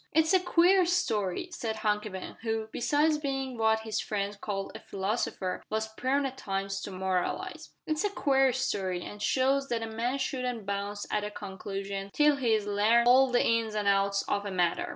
"It's a queer story," said Hunky Ben, who, besides being what his friends called a philosopher, was prone at times to moralise. "It's a queer story, an' shows that a man shouldn't bounce at a conclusion till he's larned all the ins an' outs of a matter."